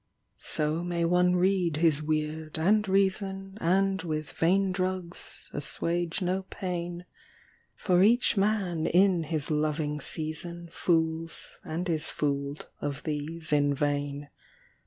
So may one read his weird, and reason, And with vain drugs assuage no pain. For each man in his loving season Fools and is fooled of these in vain.